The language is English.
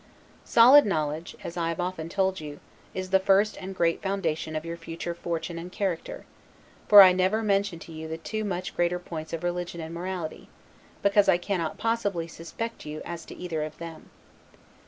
Solid knowledge, as I have often told you, is the first and great foundation of your future fortune and character; for I never mention to you the two much greater points of Religion and Morality, because I cannot possibly suspect you as to either of them.